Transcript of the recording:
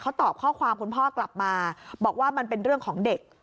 เขาตอบข้อความคุณพ่อกลับมาบอกว่ามันเป็นเรื่องของเด็ก